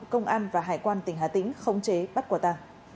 công an và hải quan tỉnh hà tĩnh khống chế bắt quả tàng